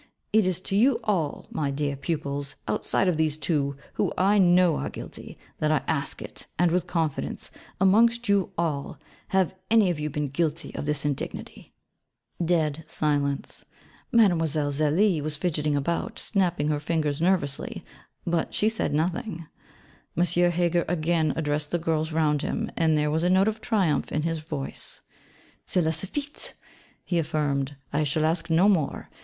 It is to you all, my dear pupils, outside of these two, who I know are guilty, that I ask it, and with confidence amongst you all, have any of you been guilty of this indignity?' Dead silence. Mlle. Zélie was fidgeting about, snapping her fingers nervously. But she said nothing. M. Heger again addressed the girls round him, and there was a note of triumph in his voice: 'Cela suffit,' he affirmed, 'I shall ask no more.